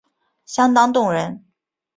相当动人